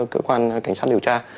cơ quan cảnh sát điều tra